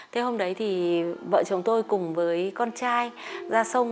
thế hôm đấy thì vợ chồng tôi cùng với con trai ra sông